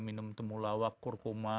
minum temulawak kurkuma